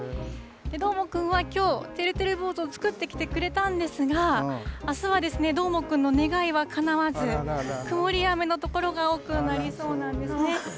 どーもくんは、きょう、てるてる坊主を作ってきてくれたんですが、あすはどーもくんの願いはかなわず、曇りや雨の所が多くなりそうなんですね。